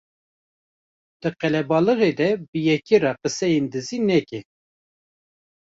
Di qelebalixê de bi yekî re qiseyên dizî neke